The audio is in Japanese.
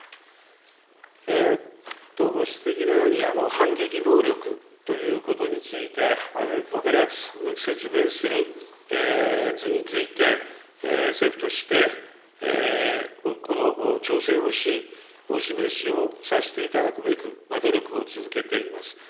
ご指摘のように、反撃能力ということについて、分かりやすく説明する図について、政府としてこの調整をし、お示しをさせていただくべく、努力を続けています。